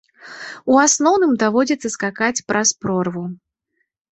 У асноўным даводзіцца скакаць праз прорву.